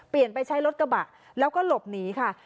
ไปใช้รถกระบะแล้วก็หลบหนีค่ะ